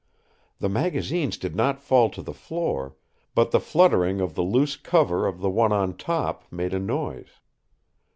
The magazines did not fall to the floor, but the fluttering of the loose cover of the one on top made a noise.